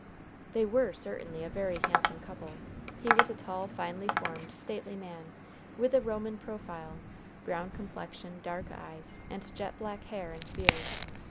They were certainly a very handsome couple. He was a tall, finely formed, stately man, with a Roman profile, brown complexion, dark eyes and jet black hair and beard.